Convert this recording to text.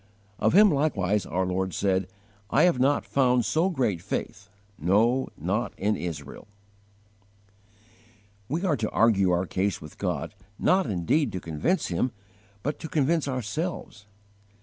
Of him likewise our Lord said: "I have not found so great faith, no, not in Israel!" * Matt. viii. 8. We are to argue our case with God, not indeed to convince Him, but to convince _ourselves.